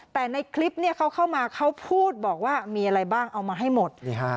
แต่ในคลิปเขาเข้ามาเขาพูดบอกว่ามีอะไรบ้างเอามาให้หมด